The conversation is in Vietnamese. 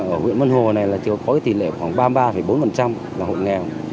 ở huyện mân hồ này có tỷ lệ khoảng ba mươi ba bốn là hộ nghèo